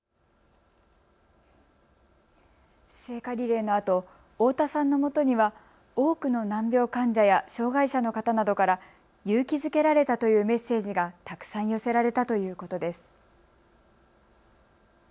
聖火リレーのあと、太田さんのもとには多くの難病患者や障害者の方などから勇気づけられたというメッセージがたくさん寄せられたということです。